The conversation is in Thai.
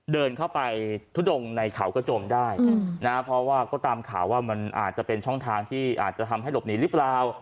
เดินเข้าไปทุดงในเขากระจมได้นะเพราะว่าก็ตามข่าวว่ามันอาจจะเป็นช่องทางที่อาจจะทำให้หลบหนีหรือเปล่า